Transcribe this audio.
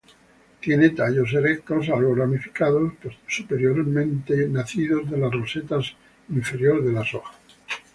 Tiene tallos erectos, algo ramificados superiormente, nacidos de la roseta inferior de las hojas.